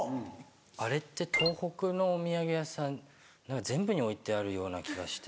あれって東北のお土産屋さん全部に置いてあるような気がして。